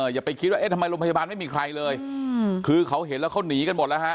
อย่าไปคิดว่าเอ๊ะทำไมโรงพยาบาลไม่มีใครเลยคือเขาเห็นแล้วเขาหนีกันหมดแล้วฮะ